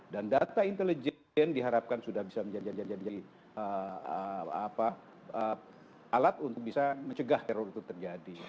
dan data intelijen diharapkan sudah bisa menjadi alat untuk bisa mencegah teror itu terjadi